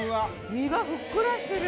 身がふっくらしてる。